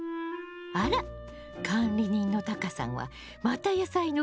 あら管理人のタカさんはまた野菜の売り込みね。